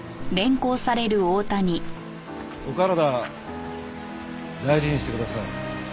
お体大事にしてください。